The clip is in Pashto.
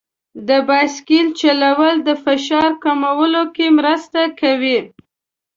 د بایسکل چلول د فشار کمولو کې مرسته کوي.